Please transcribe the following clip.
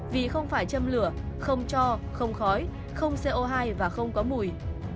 vì không phải châm lửa không cho không khói không co hai và không có mùi